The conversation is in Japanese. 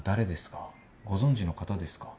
ご存じの方ですか？